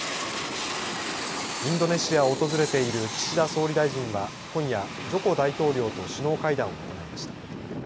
インドネシアを訪れている岸田総理大臣は今夜、ジョコ大統領と首脳会談を行いました。